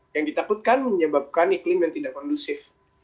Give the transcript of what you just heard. yang ditakutkan menyebabkan iklim yang tidak kondusif